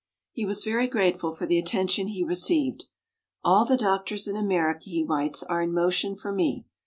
He was very grateful for the attention he received. "All the doctors in America," he writes, "are in motion for me.